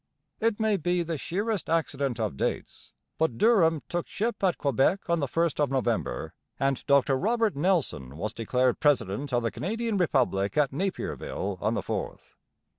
It may be the sheerest accident of dates; but Durham took ship at Quebec on the first of November, and Dr Robert Nelson was declared president of the Canadian republic at Napierville on the fourth.